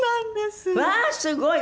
すごい。